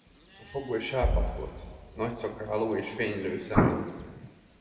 A fogoly sápadt volt, nagy szakállú és fénylő szemű.